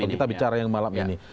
kalau kita bicara yang malam ini